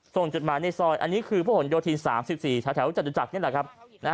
ส่งจดหมายในซอยอันนี้คือผู้ห่วงโยธี๓๔ชาวแถวจัดจุจักรนี่แหละครับ